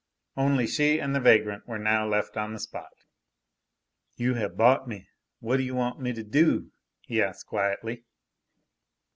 Only she and the vagrant were now left on the spot. "You have bought me. What do you want me to do?" he asked quietly.